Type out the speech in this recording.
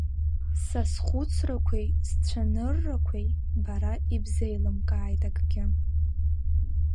Са схәыцрақәеи сцәаныррақәеи бара ибзеилымкааит акгьы.